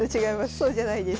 そうじゃないです。